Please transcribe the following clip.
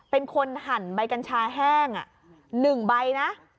เป็นคนหั่นใบกัญชาแห้ง๑ใบนะ